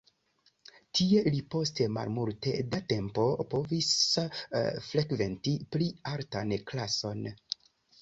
Tie li post malmulte da tempo povis frekventi pli altan klason.